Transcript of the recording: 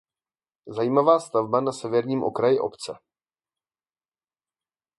Zajímavá stavba na severním okraji obce.